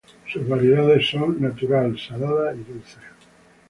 Sus variedades son natural, salada y dulce.